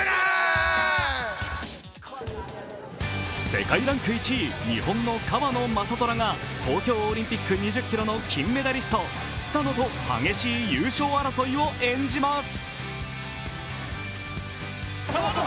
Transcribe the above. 世界ランク１位、日本の川野将虎が東京オリンピック２０ｋｍの金メダリスト、スタノと激しい優勝争いを演じます。